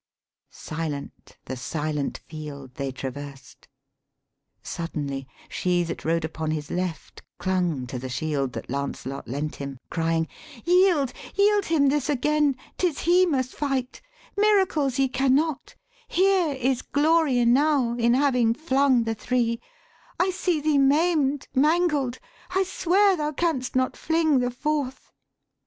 Silent the silent field They traversed Suddenly she that rode upon his left Clung to the shield that Lancelot lent him, crying, 'Yield, yield him this again: 'tis he must fight: Miracles ye cannot: here is glory enow In having flung the three: I see thee maim'd, Mangled: I swear thou canst not fling the fourth.'